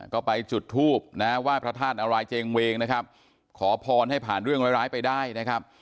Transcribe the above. ก็ไปจุดทูบนะไหว้พระธาตุนารายเจงเวงนะครับขอพรให้ผ่านเรื่องร้ายไปได้นะครับ